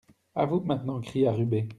A vous maintenant, cria Rubé.